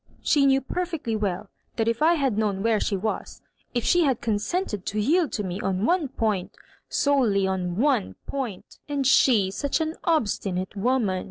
She knew per fectly well that if I had known where she was — ^if she had consented to yield to me on one point — BoLeLy on one point ^"" And she such an obstinate woman